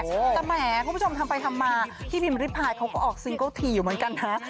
แต่แหมคุณผู้ชมทำไปทำมาพี่พิมริพายเขาก็ออกซิงเกิลทีอยู่เหมือนกันนะ